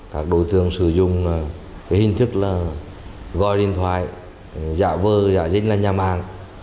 các đối tượng sử dụng hình thức gọi điện thoại dạ vơ dạ dích là nhà mạng